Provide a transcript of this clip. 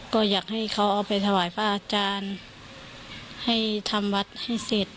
ก็อยากให้เขาเอาไปถวายพระอาจารย์ให้ทำวัดให้เสร็จ